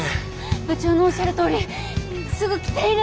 部長のおっしゃるとおりすぐ来ていれば！